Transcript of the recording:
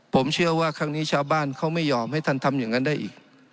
ผมเชื่อว่าครั้งนี้ชาวบ้านเขาไม่ยอมให้ท่านทำอย่างนั้นได้อีก